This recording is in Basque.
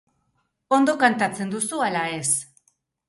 Ondo kantatzen duzu ala ez?